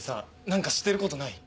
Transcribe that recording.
何か知ってることない？